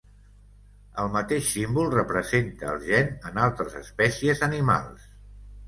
El mateix símbol representa el gen en altres espècies animals.